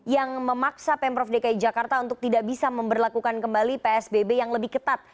yang memaksa pemprov dki jakarta untuk tidak bisa memperlakukan kembali psbb yang lebih ketat